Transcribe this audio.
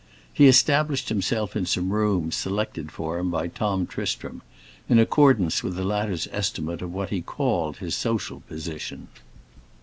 He established himself in some rooms selected for him by Tom Tristram, in accordance with the latter's estimate of what he called his social position.